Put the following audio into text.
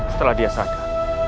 setelah dia sadar